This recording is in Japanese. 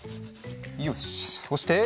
よし！